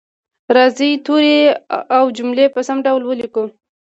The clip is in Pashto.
راځئ توري او جملې په سم ډول ولیکو